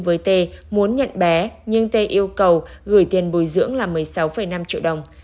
với t muốn nhận bé nhưng tê yêu cầu gửi tiền bồi dưỡng là một mươi sáu năm triệu đồng